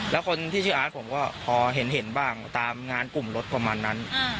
แล้วคนที่ชื่ออาร์ตผมก็พอเห็นบ้างตามงานกลุ่มรถประมาณนั้น